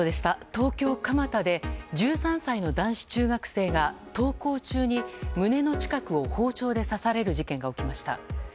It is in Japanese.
東京・蒲田で１３歳の男子中学生が登校中に胸の近くを包丁で刺される事件が起きました。